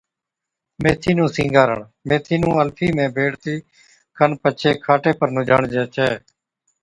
ميٿِي نُون سِينگارڻ، ميٿِي نُون الفِي ۾ بيڙڻي کن پڇي کاٽي پر نُونجھاڻجَي ڇَي